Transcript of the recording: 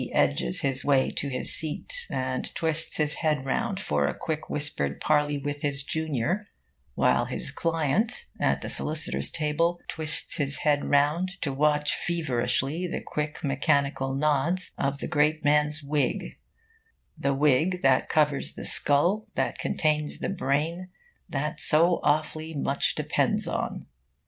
edges his way to his seat and twists his head round for a quick whispered parley with his junior, while his client, at the solicitors' table, twists his head round to watch feverishly the quick mechanical nods of the great man's wig the wig that covers the skull that contains the brain that so awfully much depends on.